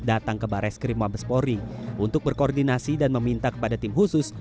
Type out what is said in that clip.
datang ke bareskrim wabespori untuk berkoordinasi dan meminta kepada tim khusus